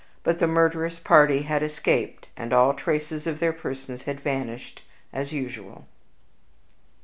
But the murderous party had escaped, and all traces of their persons had vanished, as usual.